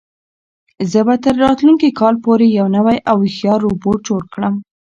زه به تر راتلونکي کال پورې یو نوی او هوښیار روبوټ جوړ کړم.